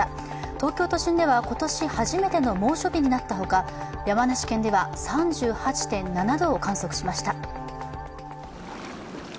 東京都心では今年初めての猛暑日になったほか、山梨県では３８．７度を観測しました。